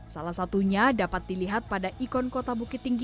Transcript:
salah satu tempat yang saya ingin menemukan adalah bukit tinggi